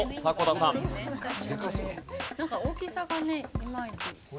なんか大きさがねいまいち。